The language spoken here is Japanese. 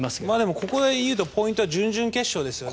ここで言えるポイントは準々決勝ですよね。